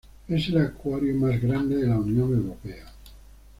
Es el acuario más grande de la Unión Europea.